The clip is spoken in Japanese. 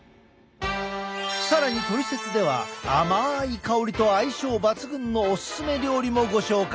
更に「トリセツ」では甘い香りと相性抜群のおすすめ料理もご紹介！